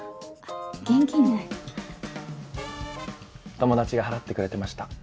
現金ないお友達が払ってくれてました